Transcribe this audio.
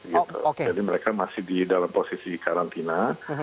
jadi mereka masih di dalam posisi karantina